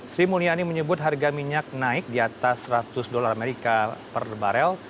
sri mulyani menyebut harga minyak naik di atas seratus dolar amerika per barel